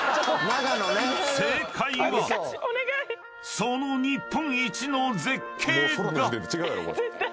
［その日本一の絶景が］